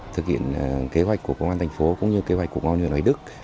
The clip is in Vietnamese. thực hiện kế hoạch của công an thành phố cũng như kế hoạch của công an huyện ngoại đức